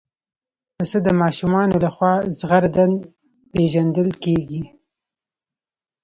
پسه د ماشومانو لخوا زغرده پېژندل کېږي.